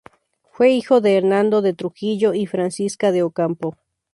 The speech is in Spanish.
Fue hijo de Hernando de Trujillo y Francisca de Ocampo.